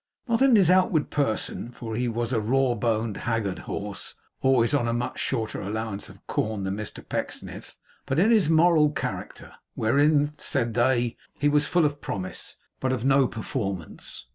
Not in his outward person, for he was a raw boned, haggard horse, always on a much shorter allowance of corn than Mr Pecksniff; but in his moral character, wherein, said they, he was full of promise, but of no performance.